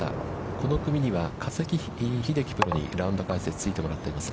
この組には加瀬秀樹プロにラウンド解説についてもらっています。